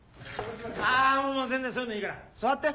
あもう全然そういうのいいから座って。